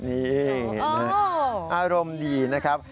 นี่อารมณ์ดีนะครับ